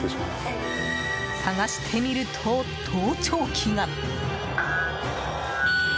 探してみると盗聴器が。